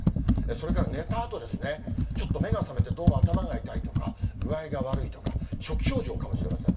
それから寝たあとですね、ちょっと目が覚めて、どうも頭が痛いとか、具合が悪いとか、初期症状かもしれません。